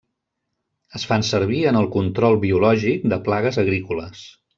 Es fan servir en el control biològic de plagues agrícoles.